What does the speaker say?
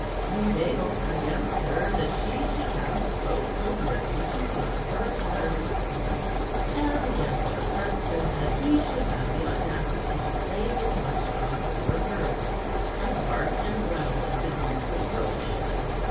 He inveighed against her that she should have the gross vulgarity to love her husband, and against her husband that he should have the audacity to play the watchdog over her, and bark and growl at the duke's approach.